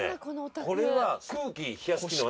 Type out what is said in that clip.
これは。